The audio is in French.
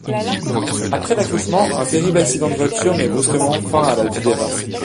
Après l'accouchement, un terrible accident de voiture met brusquement fin à la vie d'Eva.